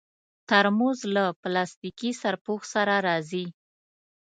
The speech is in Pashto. ترموز له پلاستيکي سرپوښ سره راځي.